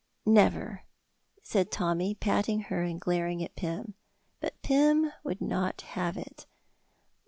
"Never!" said Tommy, patting her and glaring at Pym. But Pym would not have it.